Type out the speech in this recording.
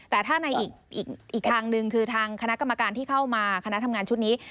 แต่ถ้าในอีกทางหนึ่งคือทางคณะกรรมการที่เข้ามาคณะทำงานชุดนี้